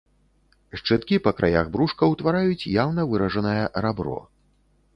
Шчыткі па краях брушка ўтвараюць яўна выражанае рабро.